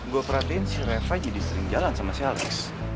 gue perhatiin si reva jadi sering jalan sama si alex